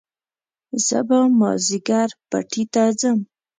زه به مازيګر پټي ته ځم